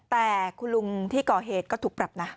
แต่คุณลุงที่ก่อเหตุก็ถูกปรับนะ